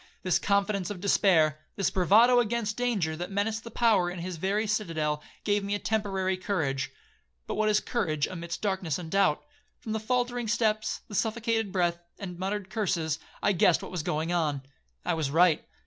This confidence of despair, this bravado against danger, that menaced the power in his very citadel, gave me a temporary courage,—but what is courage amid darkness and doubt? From the faultering steps, the suffocated breath, the muttered curses, I guessed what was going on. I was right.